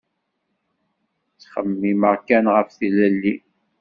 Ttxemmimeɣ kan ɣef Tlelli.